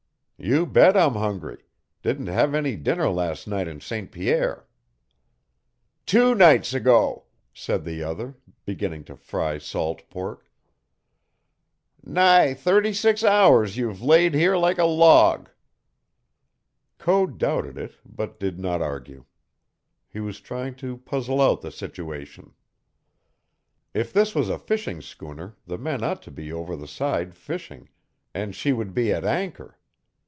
"You bet I'm hungry; didn't have any dinner last night in St. Pierre." "Two nights ago," said the other, beginning to fry salt pork. "Nigh thirty six hours you've laid here like a log." Code doubted it, but did not argue. He was trying to puzzle out the situation. If this was a fishing schooner the men ought to be over the side fishing, and she would be at anchor.